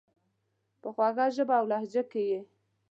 په خوږه ژبه اولهجه کي یې،